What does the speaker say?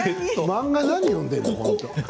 漫画、何読んでるの？